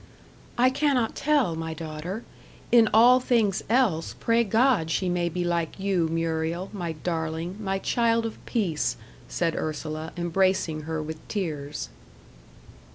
"I cannot tell, my daughter. In all things else, pray God she may be like you, Muriel, my darling my child of peace!" said Ursula, embracing her with tears.